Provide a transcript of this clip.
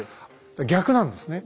逆なんですね。